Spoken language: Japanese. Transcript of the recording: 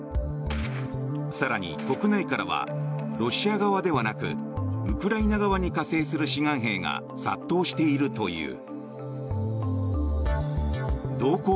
更に、国内からはロシア側ではなくウクライナ側に加勢する志願兵が殺到しているという。